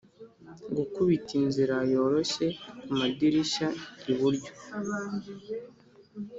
gukubita inzira yoroshye kumadirishya iburyo